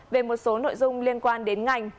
về một số nội dung liên quan đến ngành